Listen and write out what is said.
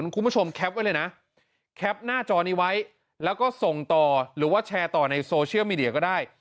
แคปไว้เลยนะแคปหน้าจอนี้ไว้แล้วก็ส่งต่อหรือว่าแชร์ต่อในโซเชียลมีเดียก็ได้